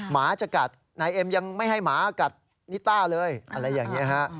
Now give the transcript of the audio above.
หมาจะกัดนายเอ็มยังไม่ให้หมากัดนิต้าเลยอะไรอย่างนี้ฮะ